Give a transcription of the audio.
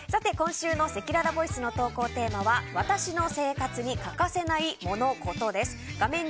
さて、今週のせきららボイスの投稿テーマは私の生活に欠かせないモノ・コトです。